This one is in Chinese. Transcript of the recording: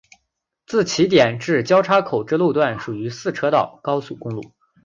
自起点至交叉口之路段属于四车道高速公路。